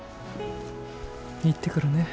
行ってくるね。